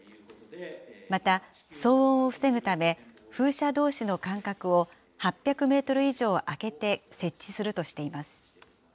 また、騒音を防ぐため、風車どうしの間隔を８００メートル以上空けて設置するとしています。